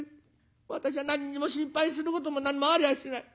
私は何にも心配することも何もありゃあしない。